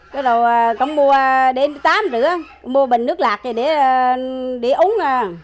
cái đó không mua đêm tắm nữa mua bình nước lạc để uống